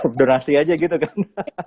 berdonasi aja gitu kan